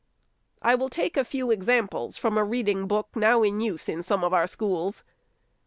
I will take a few examples from a reading book now in use in some of our schools.